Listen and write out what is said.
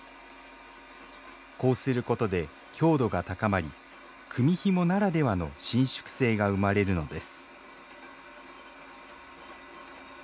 こうすることで強度が高まり組みひもならではの伸縮性が生まれるのです